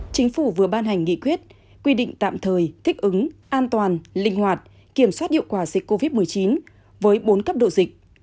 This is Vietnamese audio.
chính phủ vừa ban hành nghị quyết quy định tạm thời thích ứng an toàn linh hoạt kiểm soát hiệu quả dịch covid một mươi chín với bốn cấp độ dịch